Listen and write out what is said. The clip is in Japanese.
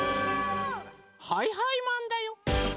はいはいマンだよ！